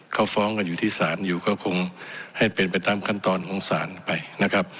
เขาฟ้องกันอยู่ที่ศาลอยู่ก็คงให้เป็นไปตามขั้นตอนของศาลไปนะครับ